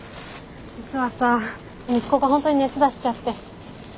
実はさ息子が本当に熱出しちゃって。